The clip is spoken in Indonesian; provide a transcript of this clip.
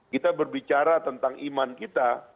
kita berbicara tentang iman kita